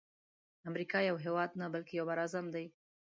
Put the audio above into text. امریکا یو هیواد نه بلکی یو بر اعظم دی.